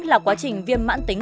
là quá trình viêm mãn tính